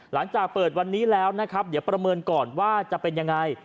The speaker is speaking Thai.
หลังจากเปิดวันนี้แล้วนะครับเดี๋ยวประเมินก่อนว่าจะเป็นยังไง